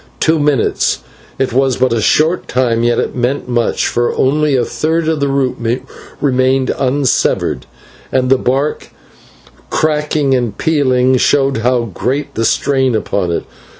Two minutes it was but a short time, yet it meant much, for only a third of the root remained unsevered, and the bark crackling and peeling showed how great was the strain upon it.